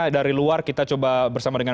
dari luar kita coba bersama dengan